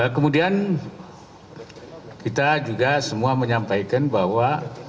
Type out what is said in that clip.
kemudian kita juga semua menyampaikan bahwa